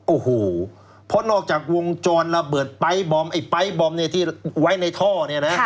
โอ้โหเพราะนอกจากวงจรระเบิดไป๊บอมไอ้ไป๊บอมเนี่ยที่ไว้ในท่อเนี่ยนะ